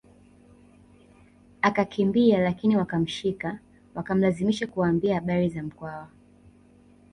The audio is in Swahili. Akakimbia lakini wakamshika wakamlazimisha kuwaambia habari za Mkwawa